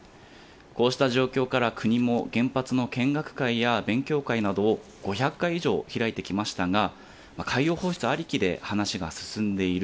こうした状況から、国も原発の見学会や勉強会などを５００回以上開いてきましたが、海洋放出ありきで話が進んでいる。